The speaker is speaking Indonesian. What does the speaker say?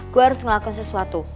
gue harus ngelakuin sesuatu